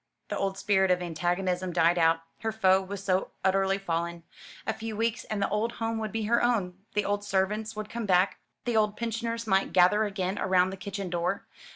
The old spirit of antagonism died out: her foe was so utterly fallen. A few weeks and the old home would be her own the old servants would come back, the old pensioners might gather again around the kitchen door.